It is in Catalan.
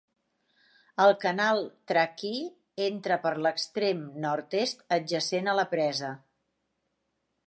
El canal Truckee entra per l'extrem nord-est, adjacent a la presa.